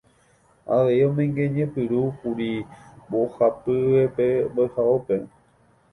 Avei omoingeñepyrũkuri mbohapyvépe mbo'ehaópe.